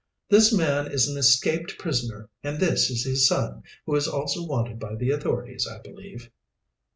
"This man is an escaped prisoner, and this is his son, who is also wanted by the authorities, I believe."